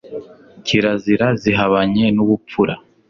kirazira zihabanye n'ubupfura